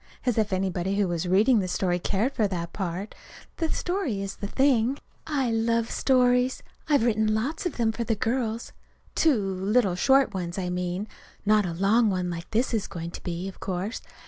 As if anybody who was reading the story cared for that part! The story's the thing. I love stories. I've written lots of them for the girls, too little short ones, I mean; not a long one like this is going to be, of course.